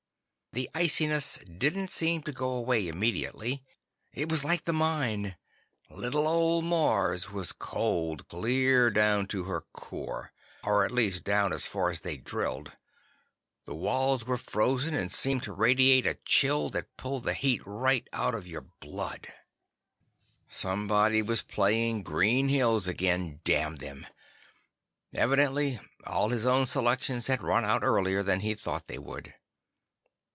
The iciness didn't seem to go away immediately. It was like the mine. Little old Mars was cold clear down to her core—or at least down as far as they'd drilled. The walls were frozen and seemed to radiate a chill that pulled the heat right out of your blood. Somebody was playing Green Hills again, damn them. Evidently all of his own selections had run out earlier than he'd thought they would.